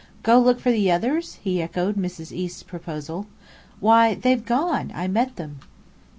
"Go look for the others?" he echoed Mrs. East's proposal. "Why, they've gone. I met them."